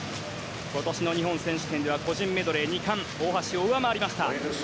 今年の日本選手権では個人メドレー２冠大橋を上回りました。